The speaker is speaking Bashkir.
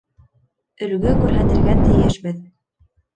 Өлгө күрһәтергә тейешбеҙ